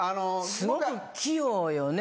すごく器用よね